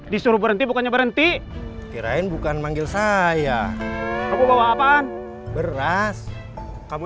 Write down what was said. disuruh berhenti bukannya berhenti kirain bukan manggil saya kamu bawa apaan beras kamu